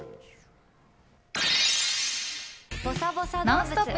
「ノンストップ！」。